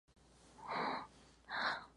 Salvador Sur.